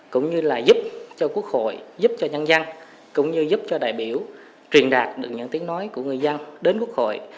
cũng như là giúp cho quốc hội giúp cho nhân dân cũng như giúp cho đại biểu truyền đạt được những tiếng nói của người dân đến quốc hội